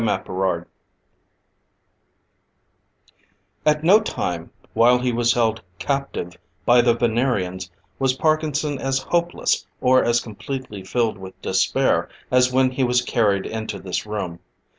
CHAPTER III At no time while he was held captive by the Venerians was Parkinson as hopeless, or as completely filled with despair as when he was carried into this room.